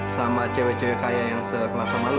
sama cewek cewek kaya yang sekelas sama lo